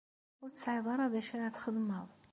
Ur tesɛiḍ ara d acu ara txedmeḍ?